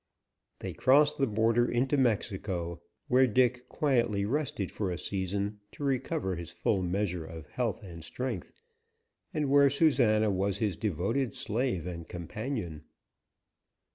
They crossed the border into Mexico, where Dick quietly rested for a season to recover his full measure of health and strength, and where Susana was his devoted slave and companion.